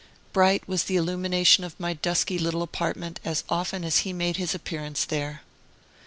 Bright was the illumination of my dusky little apartment, as often as he made his appearance there!